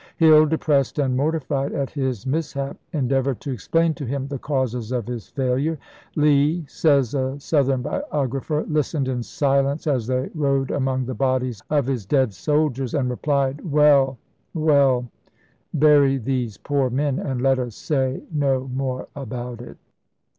Hill, depressed and mortified at his mishap, endeavored to explain to him the causes of his failure. " Lee," says a South ern biographer, "listened in silence as they rode among the bodies of his dead soldiers and replied, 'Well, well, bury these poor men, and let us say no more about it.'